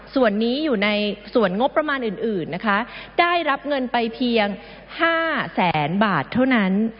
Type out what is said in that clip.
ส่วนนี้อยู่ในส่วนงบประมาณอื่นนะคะได้รับเงินไปเพียง๕แสนบาทเท่านั้น